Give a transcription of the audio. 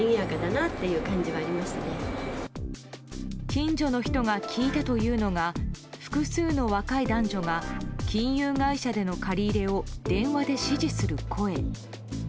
近所の人が聞いたというのが複数の若い男女が金融会社での借り入れを電話で指示する声。